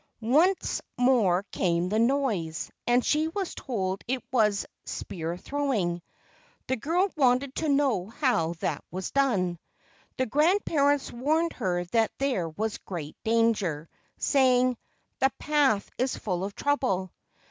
Once more came the noise, and she was told it was "spear throwing." The girl wanted to know how that was done. The grand¬ parents warned her that there was great danger, saying: "The path is full of trouble.